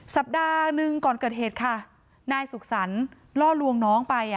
สัปดาห์หนึ่งก่อนเกิดเหตุค่ะนายสุขสรรค์ล่อลวงน้องไป